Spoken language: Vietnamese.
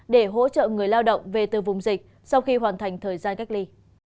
để hỗ trợ người lao động về từ vùng dịch sau khi hoàn thành thời gian cách ly